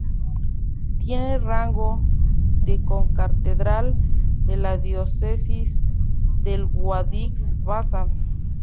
Tiene rango de concatedral de la diócesis de Guadix-Baza.